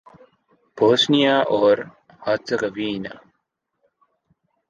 Bosnia اور Herzegovina